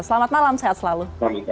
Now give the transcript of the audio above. selamat malam sehat selalu